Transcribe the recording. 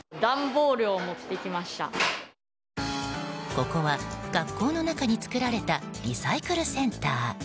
ここは、学校の中に作られたリサイクルセンター。